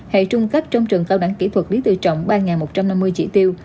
hệ trung cấp trong trường cao đẳng kỹ thuật lý tự trọng ba một trăm năm mươi chỉ tiêu